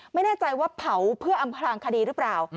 ไม่แน่ใจว่าเผาเพื่ออำพลางคดีหรือเปล่า